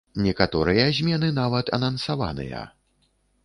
Некаторыя змены нават анансаваныя.